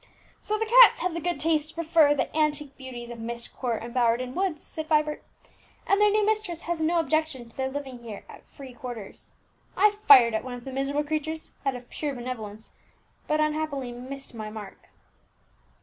"So the cats have the good taste to prefer the antique beauties of Myst Court embowered in woods," said Vibert; "and their new mistress has no objection to their living here at free quarters. I fired at one of the miserable creatures, out of pure benevolence, but unhappily missed my mark."